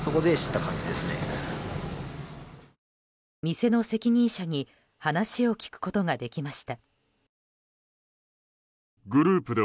店の責任者に話を聞くことができました。